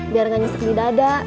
biar gak nyesek di dada